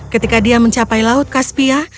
ketika dia mencapai laut kaspia